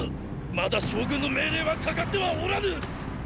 まだ将軍の命令はかかってはおらぬ！